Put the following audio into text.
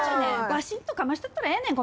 バシッとかましたったらええねん。